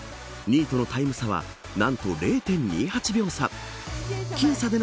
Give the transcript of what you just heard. ２位とのタイム差は何と０．２８秒差。